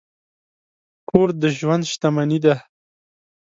کور د ژوند شتمني ده.